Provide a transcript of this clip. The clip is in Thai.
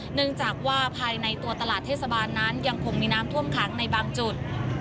เนื่องจากว่าภายในตัวตลาดเทศบาลนั้นยังคงมีน้ำท่วมขังในบางจุด